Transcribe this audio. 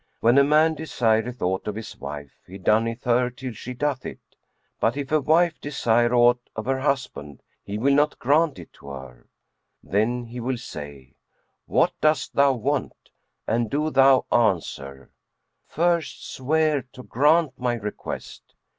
When a man desireth aught of his wife he dunneth her till she doeth it; but if a wife desire aught of her husband, he will not grant it to her.' Then he will say, 'What dost thou want?'; and do thou answer, 'First swear to grant my request.'